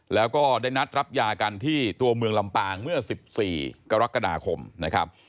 แล้วก็ได้นัดรับยากันที่ตัวเมืองลำปางเมื่อ๑๔กรกฎาคมนะครับ